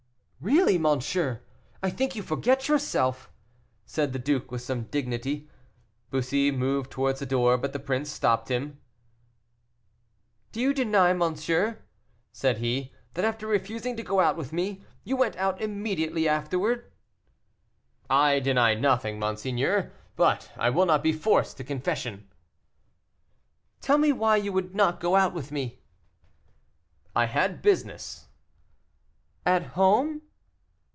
"Really, monsieur, I think you forget yourself," said the duke, with some dignity. Bussy moved towards the door, but the prince stopped him. "Do you deny, monsieur," said he, "that after refusing to go out with me, you went out immediately after?" "I deny nothing, monseigneur, but I will not be forced to confession." "Tell me why you would not go out with me." "I had business." "At home?"